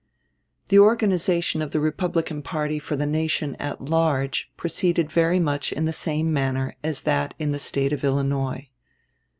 The organization of the Republican party for the nation at large proceeded very much in the same manner as that in the State of Illinois.